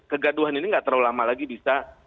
kegaduhan ini nggak terlalu lama lagi bisa